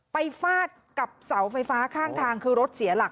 ฟาดกับเสาไฟฟ้าข้างทางคือรถเสียหลัก